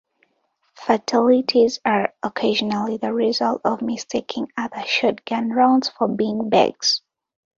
Fatalities are occasionally the result of mistaking other shotgun rounds for bean bags.